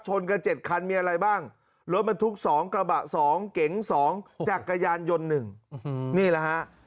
ชนกันเจ็ดคันมีอะไรบ้างรถมันทุกสองกระบะสองเก๋งสองจักรยานยนต์หนึ่งนี่แหละฮะ